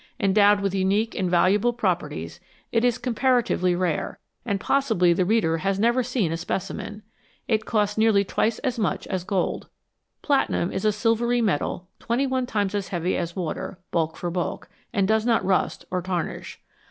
Endowed with unique and valuable properties, it is comparatively rare, and possibly the reader has never seen a specimen ; it costs nearly twice as much as gold. Platinum is a silvery metal, twenty one times as heavy as water, bulk for bulk, and does not rust or tarnish.